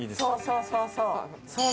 そうそうそうそう。